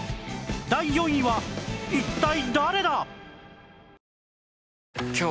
第４位は一体誰だ！？